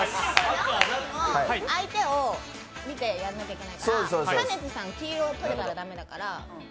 相手を見てやらなきゃいけないからかねちーさん、黄色をとらせたら駄目だから。